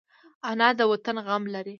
انا د وطن غم لري